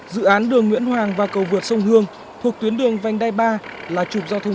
dự án đường nguyễn hoàng và cầu vượt sông hương thuộc tuyến đường vành đai ba là trục giao thông